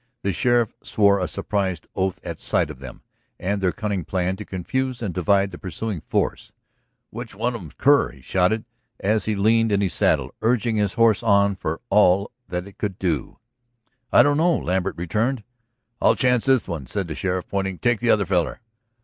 The sheriff swore a surprised oath at sight of them, and their cunning plan to confuse and divide the pursuing force. "Which one of 'em's Kerr?" he shouted as he leaned in his saddle, urging his horse on for all that it could do. "I don't know," Lambert returned. "I'll chance this one," said the sheriff, pointing. "Take the other feller."